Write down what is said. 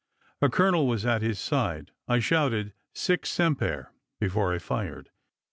A colonel was at his side. I shouted Sic Semper before I fired.